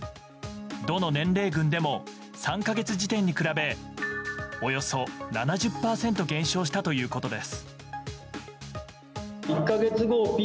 どの年齢軍でも３か月時点に比べおよそ７０％減少したということです。